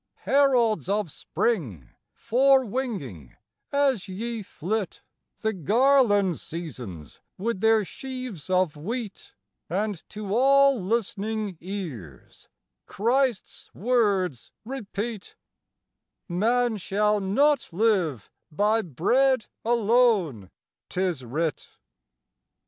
Heralds of spring, forewinging, as ye flit, The garland seasons with their sheaves of wheat, And to all listening ears Christ's words repeat: "Man shall not live by bread alone, 'tis writ"!